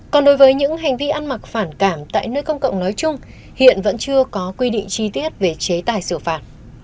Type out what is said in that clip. còn đối với những hành vi ăn mặc phản cảm tại nơi công cộng nói chung hiện vẫn chưa có quy định chi tiết về chế tài xử phạt